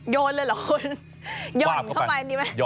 โยนเลยเหรอคุณหย่อนเข้าไปดีไหม